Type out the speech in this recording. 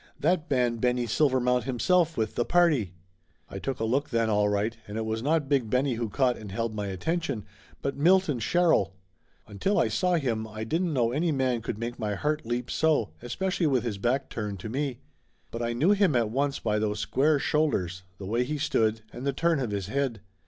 That ban Benny Silvermount himself with tha party!" I took a look then, all right, and it was not Big Benny who caught and held my attention, but Milton Sherrill. Until I saw him I didn't know any man could make my heart leap so, especially with his back turned toward me. But I knew him at once by those square shoulders, the way he stood, and the turn of his head.